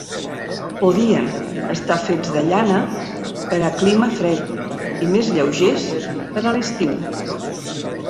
Podien estar fets de llana, per a clima fred, i més lleugers per a l'estiu.